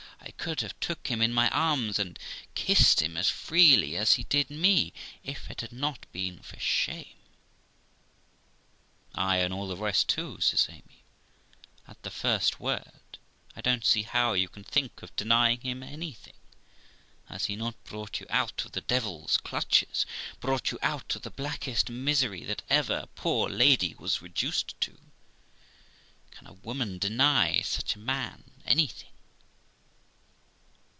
I could have took him in my arms and kissed him as freely as he did me, if it had not been for shame.' ' Ay, and all the rest too ', says Amy, l at the first word. I don't see how you can think of denying him anything. Has he not brought you out of the devil's clutches, brought you out of the blackest misery that ever poor lady was reduced to ? Can a woman deny such a man anything